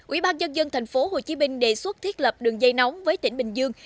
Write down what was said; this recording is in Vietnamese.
ủy ban dân dân thành phố hồ chí minh đề xuất thiết lập đường dây nóng với tỉnh bình dương